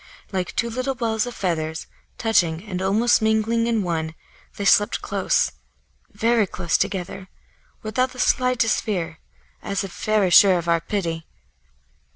Like two little balls of feathers, touching and almost mingling in one, they slept close, very close together, without the slightest fear, as if very sure of our pity.